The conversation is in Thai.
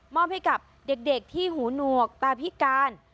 มอบให้กับเด็กที่หูหนวกตาพิการ